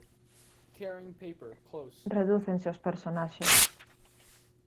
Redúcense os personaxes.